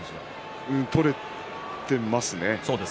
取れていますね。